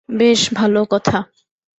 বেশ ভালো কথা।